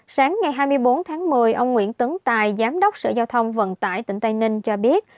sáng ngày hai mươi bốn tháng một mươi ông nguyễn tấn tài giám đốc sở giao thông vận tải tỉnh tây ninh cho biết